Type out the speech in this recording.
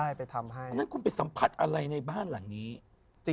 อันนั้นคุณไปสัมผัสอะไรในบ้านหลังนี้